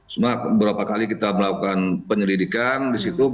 sebenarnya beberapa kali kita melakukan penyelidikan di situ